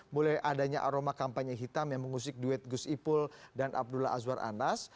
mulai adanya aroma kampanye hitam yang mengusik duet gus ipul dan abdullah azwar anas